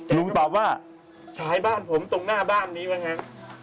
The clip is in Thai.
ลุงจำปลาว่าฉายบ้านผมตรงหน้าบ้านนี้นะครับ